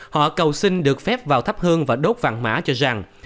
họ cầu xin được phép vào tháp hương và đốt vạn mã cho zhang